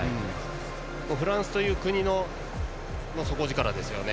フランスという国の底力ですよね。